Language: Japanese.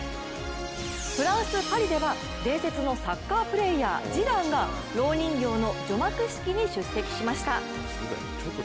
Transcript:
フランス・パリでは、伝説のサッカープレーヤー・ジダンがろう人形の除幕式に出席しました。